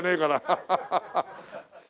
ハハハハッ。